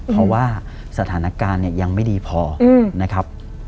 เพราะว่าสถานการณ์เนี่ยยังไม่ดีพอนะครับ